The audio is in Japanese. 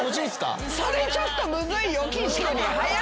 それちょっとむずいよ。